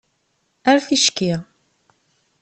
Ar ticki.